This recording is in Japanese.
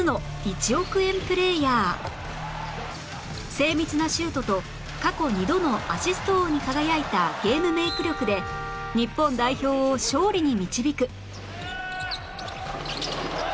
精密なシュートと過去２度のアシスト王に輝いたゲームメイク力で日本代表を勝利に導く